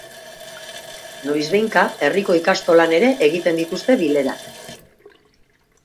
Noizbehinka herriko ikastolan ere egiten dituzte bilerak.